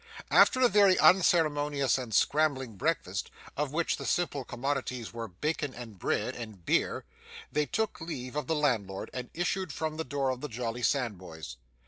After a very unceremonious and scrambling breakfast, of which the staple commodities were bacon and bread, and beer, they took leave of the landlord and issued from the door of the jolly Sandboys.